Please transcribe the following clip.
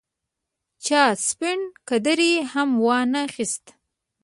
چا سپڼ قدرې هم وانه اخیست.